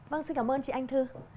vâng xin cảm ơn chị anh thư